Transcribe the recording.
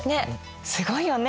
すごいよね。